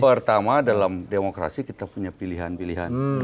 pertama dalam demokrasi kita punya pilihan pilihan